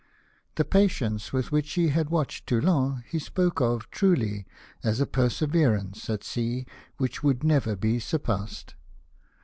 The patience with which he had watched Toulon, he spoke of, truly, as a perseverance at sea which had never been surpassed.